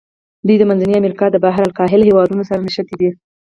دوی د منځني امریکا د بحر الکاهل هېوادونو سره نښتي دي.